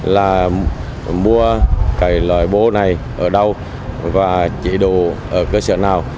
là mua cái loại bố này ở đâu và chỉ đồ ở cơ sở nào